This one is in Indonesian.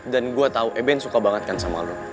dan gue tau eben suka banget kan sama lo